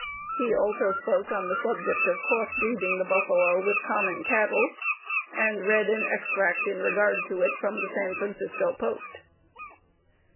He also spoke on the subject of cross breeding the buffalo with common cattle, and read an extract in regard to it from the San Francisco Post.